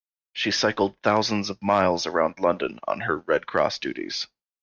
She cycled thousands of miles around London on her Red Cross duties.